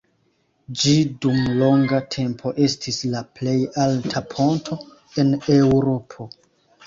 Ĝi dum longa tempo estis la plej alta ponto en Eŭropo.